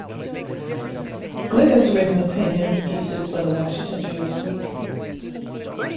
Glick has written opinion pieces for the "Washington Jewish Week".